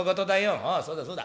おうそうだそうだ。